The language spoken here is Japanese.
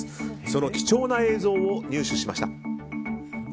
その貴重な映像を入手しました。